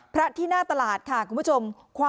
พระที่หน้าตลาดค่ะคุณผู้ชม